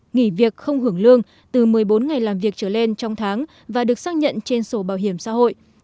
nghỉ việc không hưởng lương từ một mươi bốn ngày làm việc trở lên trong tháng và được xác nhận trên sổ bảo hiểm xã hội